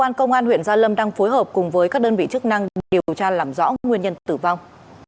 công an huyện gia lâm đang phối hợp cùng với các đơn vị chức năng điều tra làm rõ nguyên nhân tử vong